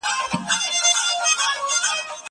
الله تعالی موږ ته ښې قصې بيان کړي دي.